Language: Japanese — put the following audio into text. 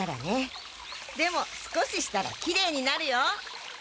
でも少ししたらきれいになるよ！